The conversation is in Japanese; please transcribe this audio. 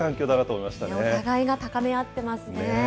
お互いが高め合ってますね。